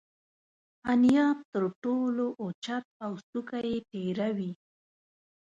انیاب تر ټولو اوچت او څوکه یې تیره وي.